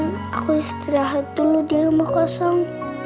aku istirahat dulu di rumah kosong